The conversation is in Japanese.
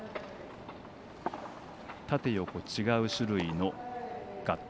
縦横違う種類のガット。